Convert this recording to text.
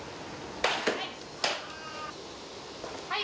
はい。